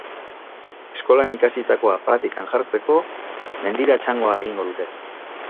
Eskolan ikasitakoa praktikan jartzeko, mendira txangoa egingo dute.